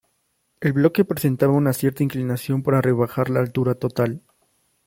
El bloque presentaba una cierta inclinación para rebajar la altura total.